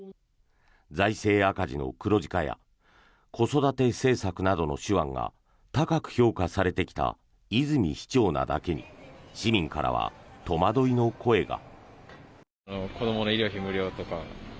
財政赤字の黒字化や子育て政策などの手腕が高く評価されてきた泉市長なだけに市民からは戸惑いの声が。